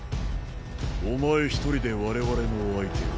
お前一人で我々の相手を？